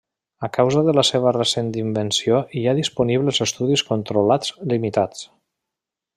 A causa de la seva recent invenció hi ha disponibles estudis controlats limitats.